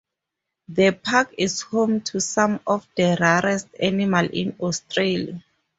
The park is home to some of the rarest animals in Australia.